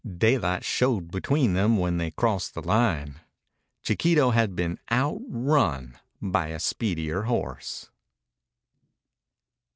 Daylight showed between them when they crossed the line. Chiquito had been outrun by a speedier horse.